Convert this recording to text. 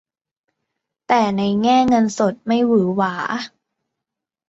แต่ในแง่เงินสดไม่หวือหวา